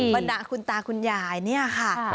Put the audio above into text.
บรรดาคุณตาคุณยายเนี่ยค่ะ